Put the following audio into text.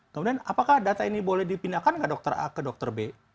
kemudian apakah data ini boleh dipindahkan ke dokter a ke dokter b